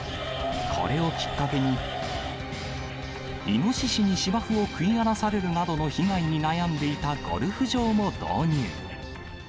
これをきっかけに、イノシシに芝生を食い荒らされるなどの被害に悩んでいたゴルフ場も導入。